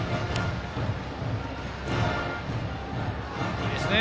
いいですね